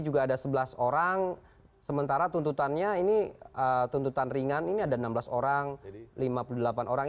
jadi ini ada sebelas orang sementara tuntutannya ini tuntutan ringan ini ada enam belas orang lima puluh delapan orang